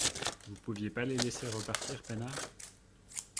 Vous pouviez pas les laisser repartir peinards ?